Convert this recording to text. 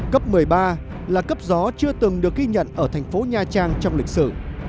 cấp một mươi ba là cấp gió chưa từng được ghi nhận ở thành phố nha trang trong lịch sử